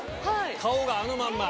顔があのまんま。